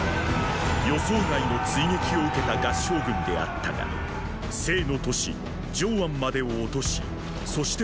予想外の追撃を受けた合従軍であったが斉の都市饒安までを落としそして